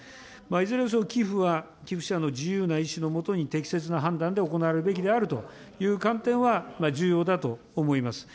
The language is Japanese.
いずれにせよ、寄付は寄付者の自由な意思のもとに、適切な判断で行われるべきであるという観点は重要だと思います。